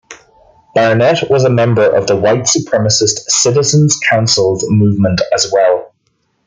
Barnett was a member of the white supremacist Citizens' Councils movement as well.